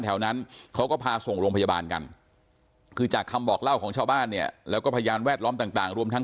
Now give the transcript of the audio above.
แถวนั้นเขาก็พาส่งโรงพยาบาลกันคือจากคำบอกเล่าของชาวบ้านเนี่ยแล้วก็พยานแวดล้อมต่างรวมทั้ง